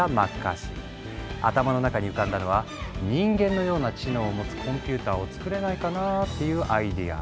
頭の中に浮かんだのは「人間のような知能を持つコンピューターを作れないかな」っていうアイデア。